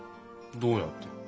どうやって？